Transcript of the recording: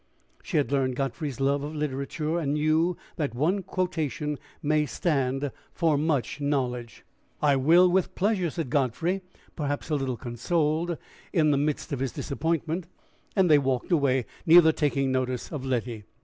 She had learned Godfrey's love of literature, and knew that one quotation may stand for much knowledge. "I will, with pleasure," said Godfrey, perhaps a little consoled in the midst of his disappointment; and they walked away, neither taking notice of Letty.